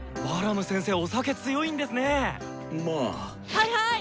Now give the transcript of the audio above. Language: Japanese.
はいはい！